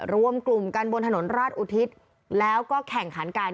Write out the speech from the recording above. รวมกลุ่มกันบนถนนราชอุทิศแล้วก็แข่งขันกัน